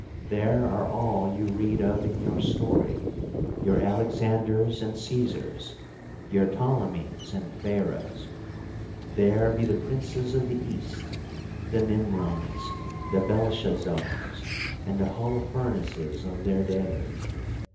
There are all you read of in story, your Alexanders and Cæsars, your Ptolemies and Pharaohs. There be the princes of the East, the Nimrods, the Belshazzars, and the Holoferneses of their day.